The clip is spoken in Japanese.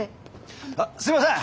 あっすいません！